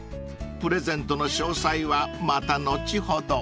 ［プレゼントの詳細はまた後ほど。